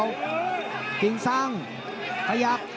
สีปริงซ้างขยัก